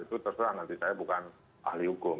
itu terserah nanti saya bukan ahli hukum